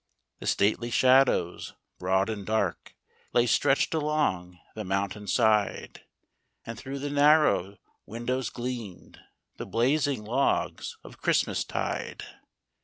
The stately shadows, broad and dark, Lay stretch'd along the mountain side, And through the narrow windows gleam'd The blazing logs of Christmas tide.